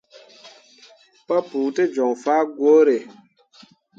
Papou te joŋ fah gwǝǝre.